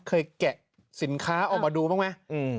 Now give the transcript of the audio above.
เคยแกะสินค้าออกมาดูบ้างมั้ย